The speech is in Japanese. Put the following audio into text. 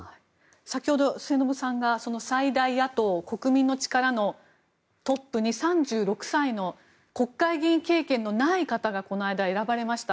先ほど末延さんが最大野党・国民の力のトップに３６歳の国会議員経験のない方がこの間、選ばれました。